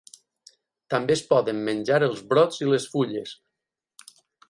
També es poden menjar els brots i les fulles.